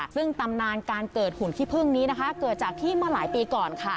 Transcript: ซึ่งตำนานการเกิดหุ่นขี้พึ่งนี้นะคะเกิดจากที่เมื่อหลายปีก่อนค่ะ